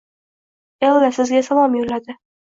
Ella sizga salom yo`lladi